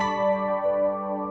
aku mau ke rumah